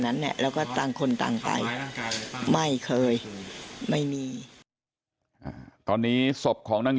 นั้นเนี่ยแล้วก็ต่างคนต่างไปไม่เคยไม่มีตอนนี้ศพของนาง